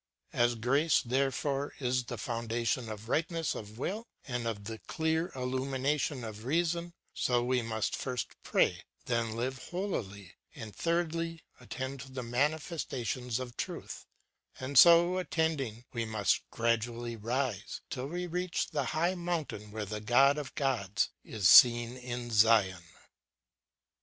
As grace, therefore, is the foundation ŌĆóof rightness of will, and of the clear illumination of reason, so we must first pray, then live holily, and, thirdly, attend to the manifestations of truth ; and, so attending, we must gradually rise, till we reach the high mountain, wiiere the God of Gods is seen in Zion.